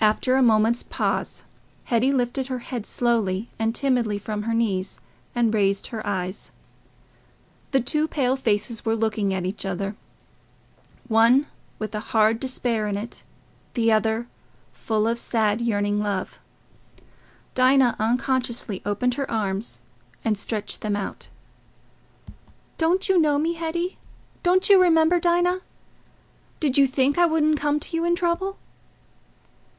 After a moment's pause, Hetty lifted her head slowly and timidly from her knees and raised her eyes. The two pale faces were looking at each other: one with a wild hard despair in it, the other full of sad yearning love. Dinah unconsciously opened her arms and stretched them out. "Don't you know me, Hetty? Don't you remember Dinah? Did you think I wouldn't come to you in trouble?"